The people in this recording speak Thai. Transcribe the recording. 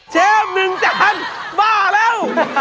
เชฟ๑จานบ้าแล้ว